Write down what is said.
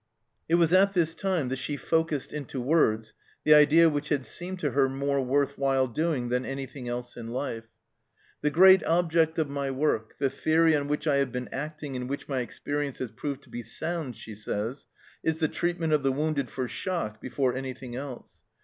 It was at this time that she focussed into words the idea which had seemed to her more worth while doing than anything else in life. "The great object of my work, the theory on which I have been acting and which my experience has proved to be sound," she says, " is the treat ment of the wounded for shock before anything else.